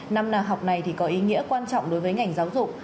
năm nào học này thì có ý nghĩa quan trọng đối với ngành giáo dục